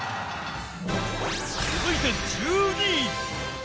続いて１２位